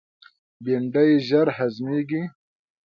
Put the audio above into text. بېنډۍ ژر هضمیږي